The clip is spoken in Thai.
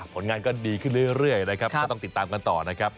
ผลงานก็ดีขึ้นเรื่อยนะครับก็ต้องติดตามกันต่อนะครับ